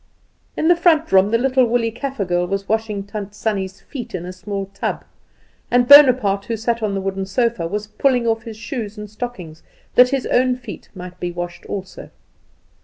In the front room the little woolly Kaffer girl was washing Tant Sannie's feet in a small tub, and Bonaparte, who sat on the wooden sofa, was pulling off his shoes and stockings that his own feet might be washed also.